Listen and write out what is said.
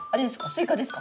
スイカですか？